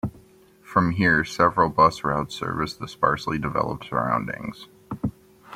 From here, several bus routes service the sparsely developed surroundings.